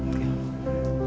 terima kasih pak